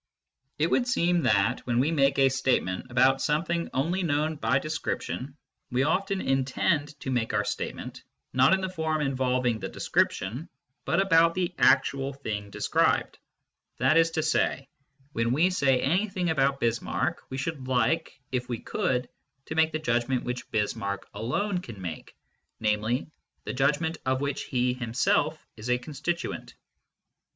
^^JcCcY It would seem that, when we make a statement about something only known by description, we often intend to make our statement, not in the form involving the description, but about the actual thing described/ That is to say, when we say anything about Bismarck, we should like, if we could, to make the judgment which Bismarck alone can make, namely, the judgment of which he himself is a constituent.